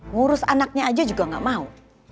ngurus anaknya aja juga gak mau